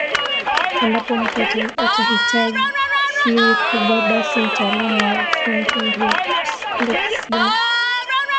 Endapo mtu atahitaji siri kubwa basi mtaalamu wa ufundi ndio kisima